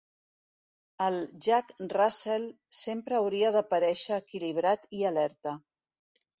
El Jack Russell sempre hauria d'aparèixer equilibrat i alerta.